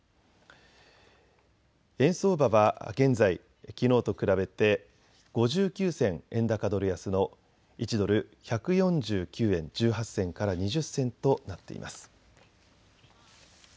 円相場は現在きのうと比べて５９銭円高ドル安の１ドル１４９円１８銭から２０銭となっています。